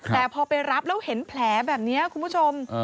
แต่พอไปรับแล้วเห็นแผลแบบนี้คุณผู้ชม